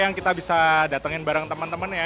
yang kita bisa datengin bareng temen temen ya